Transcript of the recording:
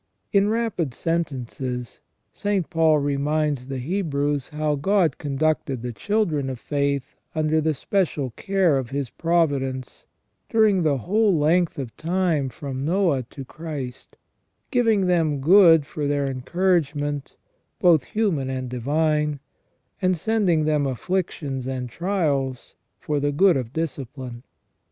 In rapid sentences, St. Paul reminds the Hebrews how God conducted the children of faith under the special care of His providence during the whole length of time from Noe to Christ, giving them good for their encouragement, both human and divine, and sending them afflictions and trials for the good of discipline.